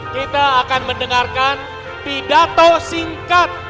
kita akan mendengarkan pidato singkat